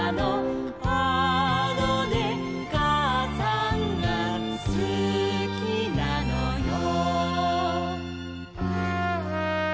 「あのねかあさんがすきなのよ」